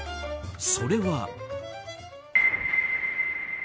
それは。